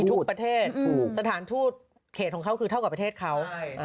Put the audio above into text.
ทุกประเทศสถานทูตเขตของเขาคือเท่ากับประเทศเขา